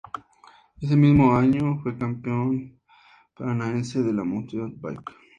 Ese mismo año fue campeón paranaense de mountain bike.